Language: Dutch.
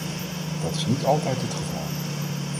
Dat is niet altijd het geval.